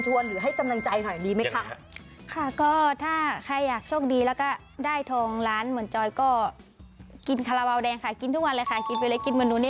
แต่ก็จะต้องกินเวลาเวลากินเมืองนี้ไง